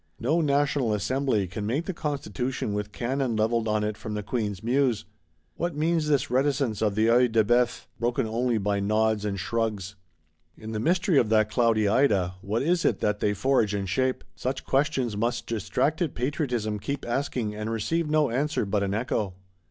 No National Assembly can make the Constitution with cannon levelled on it from the Queen's Mews! What means this reticence of the Œil de Bœuf, broken only by nods and shrugs? In the mystery of that cloudy Ida, what is it that they forge and shape?—Such questions must distracted Patriotism keep asking, and receive no answer but an echo.